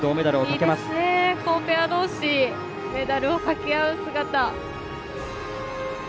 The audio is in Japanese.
いいですね、ペアどうしメダルをかけ合う姿。